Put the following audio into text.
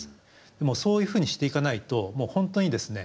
でもそういうふうにしていかないともう本当にですね